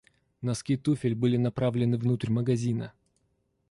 Носки туфель были направлены внутрь магазина.